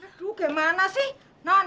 aduh gimana sih non